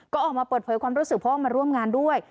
ก็ออกมาเปิดเผยความรู้สึกเพราะว่ามาร่วมงานด้วย